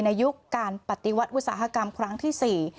ในยุคการปฏิวัติวิทยาศาสตร์ครั้งที่๔